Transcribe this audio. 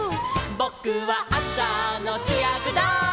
「ぼくはあさのしゅやくだい」